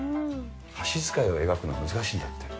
箸づかいを描くの難しいんだって。